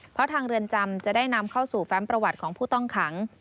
เพราะทางเรือนจำจะได้นำเข้าสู่แฟมประวัติของผู้ต้องขัง